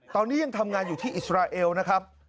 ตอนนี้ยังทำงานอยู่ที่อิสราเอลนะครับ